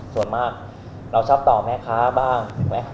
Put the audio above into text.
ส่วนมากเราชอบต่อแม่คะบ้าง